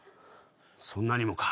そんなにもか？